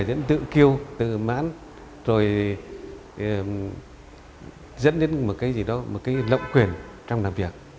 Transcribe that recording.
đến tự kêu tự mãn rồi dẫn đến một cái gì đó một cái lộng quyền trong làm việc